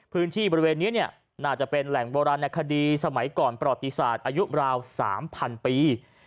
พื้นที่บริเวณนี้น่าจะเป็นแหล่งโบราณคดีสมัยก่อนประวัติศาสตร์อายุราว๓๐๐ปี